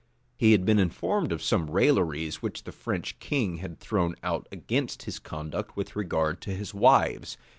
[] He had been informed of some railleries which the French king had thrown out against his conduct with regard to his wives.